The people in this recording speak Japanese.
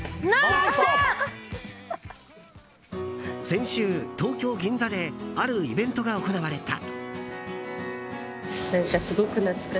先週、東京・銀座であるイベントが行われた。